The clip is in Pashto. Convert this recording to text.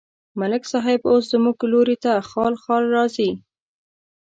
ملک صاحب اوس زموږ لوري ته خال خال راځي.